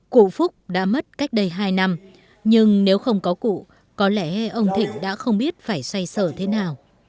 cụ phúc đã mất cách đây hai năm nhưng nếu không có cụ có lẽ ông thịnh đã không biết phải xoay sở thế nào